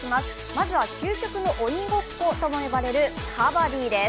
まずは究極の鬼ごっことも呼ばれるカバディです。